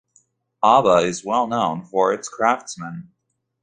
Aba is well known for its craftsmen.